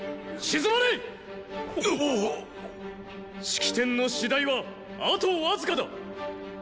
⁉式典の次第はあとわずかだ！